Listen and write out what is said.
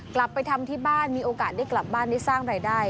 กลับไปทำที่บ้านมีโอกาสได้กลับบ้านได้สร้างรายได้